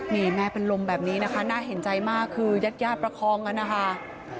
นี่แม่เป็นลมแบบนี้นะคะน่าเห็นใจมากคือยาดประคองกันนะคะ